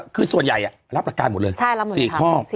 คือส่วนใหญ่รับหลักการหมดเลย๔ข้อ